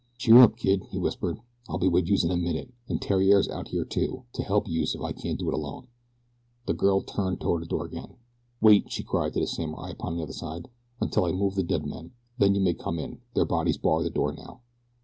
"Cheer up, kid!" he whispered. "I'll be wid youse in a minute, an' Theriere's out here too, to help youse if I can't do it alone." The girl turned toward the door again. "Wait," she cried to the samurai upon the other side, "until I move the dead men, then you may come in, their bodies bar the door now."